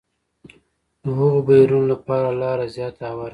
د هغو بهیرونو لپاره لاره زیاته هواره شوه.